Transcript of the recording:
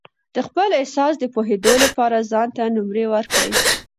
د خپل احساس د پوهېدو لپاره ځان ته نمرې ورکړئ.